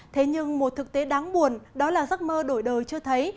thế nhưng một thực tế đáng buồn đó là giấc mơ đổi đời chưa thấy